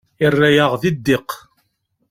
Yerra-yaɣ di ddiq.